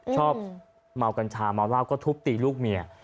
ชอบเมากัญชาเมาเหล้าก็ทุบตีลูกเมีย